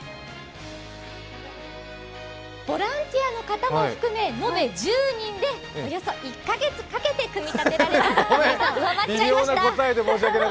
ボランティアの方も含め延べ１０人でおよそ１か月かけて組み立てられます。